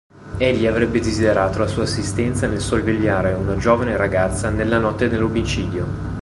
Egli avrebbe desiderato la sua assistenza nel sorvegliare una giovane ragazza nella notte dell'omicidio.